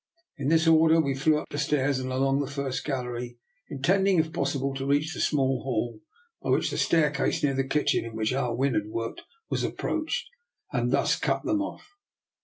In this order we flew up the stairs and along the first gallery, intending, if possible, to reach the small hall, by which the staircase near the kitchen in which Ah Win had worked was approached, and thus cut them off.